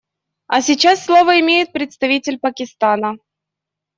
А сейчас слово имеет представитель Пакистана.